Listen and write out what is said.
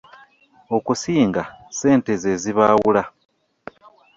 Okusinga ssente ze zibaawula.